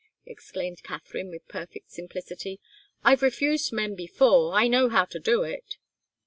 exclaimed Katharine, with perfect simplicity, "I've refused men before. I know how to do it."